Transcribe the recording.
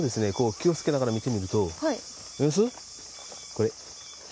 気をつけながら見てみると見えます？